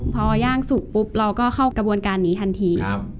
พอย่างสุกปุ๊บเราก็เข้ากระบวนการนี้ทันที